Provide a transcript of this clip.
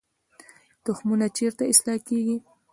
تخمونه چیرته اصلاح کیږي؟